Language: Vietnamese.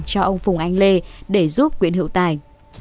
cho ông phùng anh lê để giúp quyền hữu tài